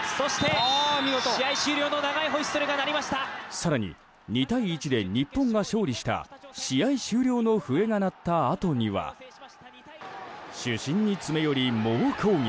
更に、２対１で日本が勝利した試合終了の笛が鳴ったあとには主審に詰め寄り猛抗議。